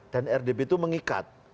dan rdp itu mengikat